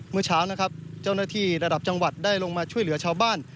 เมื่อเช้านะครับเจ้าหน้าที่ระดับจังหวัดได้ลงมาช่วยเหลือชาวบ้าน